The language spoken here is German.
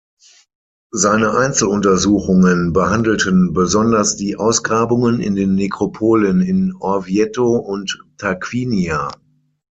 Seine Einzeluntersuchungen behandelten besonders die Ausgrabungen in den Nekropolen in Orvieto und Tarquinia.